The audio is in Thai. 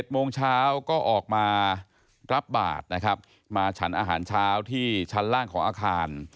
โมงเช้าก็ออกมารับบาทนะครับมาฉันอาหารเช้าที่ชั้นล่างของอาคาร